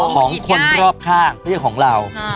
ของคนรอบข้างไม่ใช่ของเรา